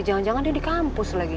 jangan jangan dia di kampus lagi